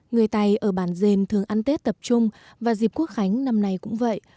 người tài ở bản dền thường ăn tết tập trung và dịp cúc khánh năm nay cũng vậy